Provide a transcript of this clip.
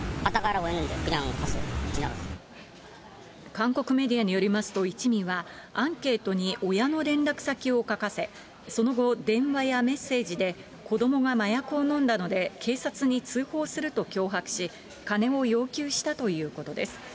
韓国メディアによりますと、一味は、アンケートに親の連絡先を書かせ、その後、電話やメッセージで、子どもが麻薬を飲んだので、警察に通報すると脅迫し、金を要求したということです。